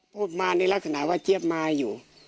พูดมาในลักษณะว่าเจี๊ยบมาอยู่